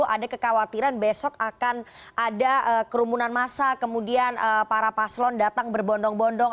ada kekhawatiran besok akan ada kerumunan massa kemudian para paslon datang berbondong bondong